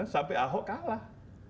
sampai ahok kalah